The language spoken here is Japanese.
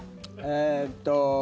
えっと。